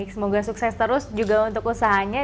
semoga sukses terus juga untuk usahanya